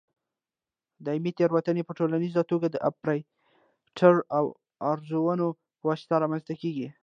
دایمي تېروتنې په ټولیزه توګه د اپرېټر او اوزارونو په واسطه رامنځته کېږي.